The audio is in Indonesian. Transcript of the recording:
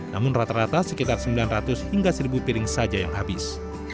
namun rata rata sekitar sembilan ratus hingga seribu piring saja yang habis